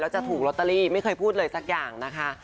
จะถูกลอตเตอรี่ไม่เคยพูดเลยสักอย่างนะคะ